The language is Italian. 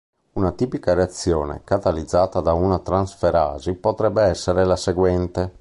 Una tipica reazione catalizzata da una transferasi potrebbe essere la seguente.